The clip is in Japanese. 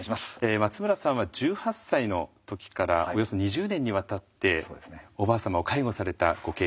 松村さんは１８歳の時からおよそ２０年にわたっておばあ様を介護されたご経験があると。